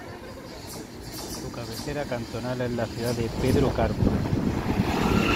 Su cabecera cantonal es la ciudad de Pedro Carbo.